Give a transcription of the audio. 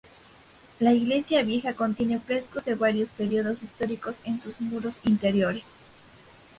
La iglesia vieja contiene frescos de varios periodos históricos en sus muros interiores.